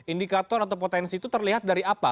indikator atau potensi itu terlihat dari apa